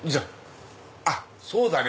あっそうだね！